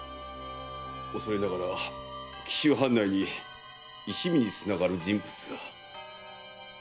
おそれながら紀州藩内に一味につながる人物が。